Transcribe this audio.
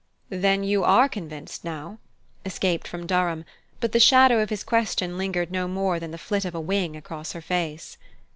"Then you are convinced now?" escaped from Durham; but the shadow of his question lingered no more than the flit of a wing across her face.